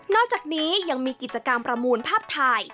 อกจากนี้ยังมีกิจกรรมประมูลภาพถ่าย